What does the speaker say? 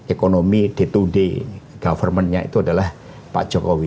ekonomi day to day government nya itu adalah pak jokowi